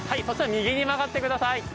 そうしたら右に曲がってください。